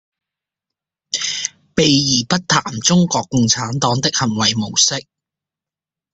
避而不談中國共產黨的行為模式